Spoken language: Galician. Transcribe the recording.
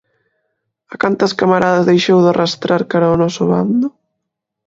A cantas camaradas deixou de arrastrar cara ao noso bando?